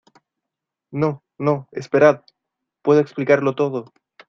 No, no , esperad. Puedo explicarlo todo .